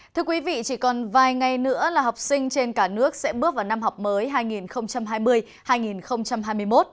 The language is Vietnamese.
thưa quý vị chỉ còn vài ngày nữa là học sinh trên cả nước sẽ bước vào năm học mới hai nghìn hai mươi hai nghìn hai mươi một